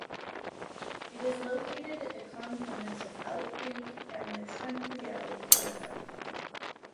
It is located at the confluence of Elk Creek and the Trempealeau River.